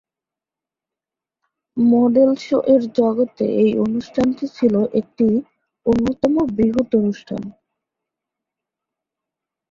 Model show এর জগতে এই অনুষ্ঠানটি ছিলো একটি অন্যতম বৃহৎ অনুষ্ঠান।